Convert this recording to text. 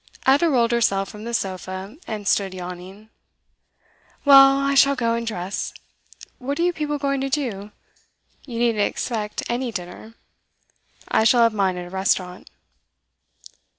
Ada rolled herself from the sofa, and stood yawning. 'Well, I shall go and dress. What are you people going to do? You needn't expect any dinner. I shall have mine at a restaurant.